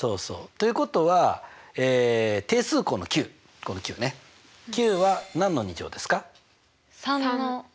ということは定数項の９は何の２乗ですか？